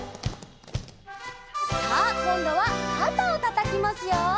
「」さあこんどはかたをたたきますよ。